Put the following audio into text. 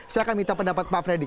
saya akan minta pendapat pak fredy